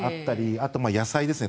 あと野菜ですね。